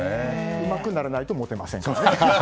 うまくならないとモテませんからね。